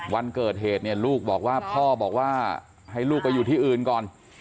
วันเกิดเหตุเนี่ยลูกบอกว่าพ่อบอกว่าให้ลูกไปอยู่ที่อื่นก่อน